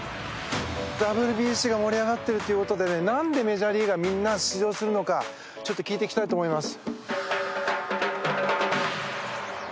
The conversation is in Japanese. ＷＢＣが盛り上がっているということで何でメジャーリーガーがみんな出場するのかちょっと聞いていきたいと思います。